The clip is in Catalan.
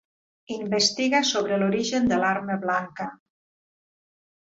Investiga sobre l'origen de l'arma blanca.